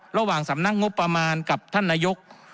ระหว่างสำนักงบประมาณกับท่านนายก